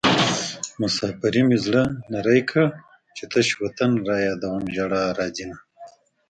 مسافرۍ مې زړه نری کړ چې تش وطن رايادوم ژړا راځينه